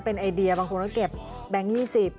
เป็นไอเดียบางคนก็เก็บแบงค์๒๐